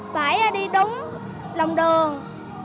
phải đi đúng lòng đường